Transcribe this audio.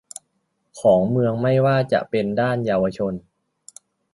ของเมืองไม่ว่าจะเป็นด้านเยาวชน